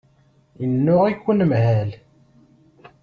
Yennuɣ-ik unemhal.